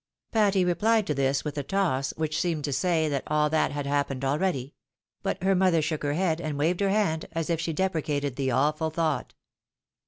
Patty replied to this with a toss which seemed to say that all that had happened already ; but her mother shook her head, and waved her hand, as if she deprecated the awful thought.